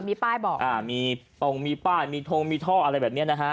มีป้ายบอกมีป้องมีป้ายมีทงมีท่ออะไรแบบนี้